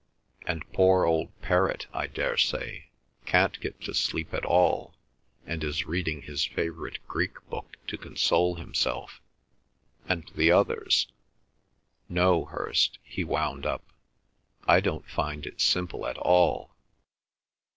'—and poor old Perrott, I daresay, can't get to sleep at all, and is reading his favourite Greek book to console himself—and the others—no, Hirst," he wound up, "I don't find it simple at all."